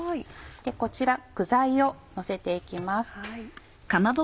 こちら具材をのせて行きます。